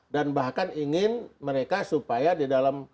dan bahkan ingin mereka supaya di dalam